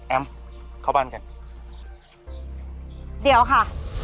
เข้าบ้านกันเดี๋ยวค่ะ